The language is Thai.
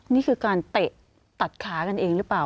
นี่คือการเตะตัดขากันเองหรือเปล่า